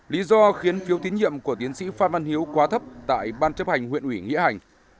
lý do khiến phiếu tín nhiệm của tiến sĩ phan văn hiếu quá thấp tại ban chấp hành huyện ủy nghĩa hành